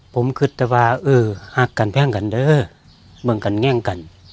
ผมคิดแต่ว่าเออหักกันแพ่งกันเด้อเมืองกันแง่งกัน